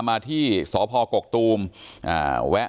อยากให้สังคมรับรู้ด้วย